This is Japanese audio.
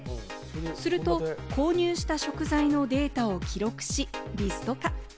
すると、購入した食材のデータを記録し、リスト化。